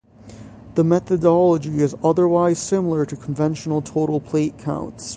The methodology is otherwise similar to conventional total plate counts.